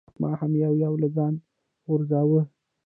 ما هم یو یو له ځانه غورځاوه.